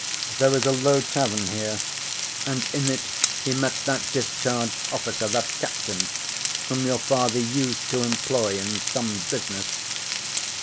There is a low tavern here, and in it he met that discharged officer, that captain, whom your father used to employ in some business.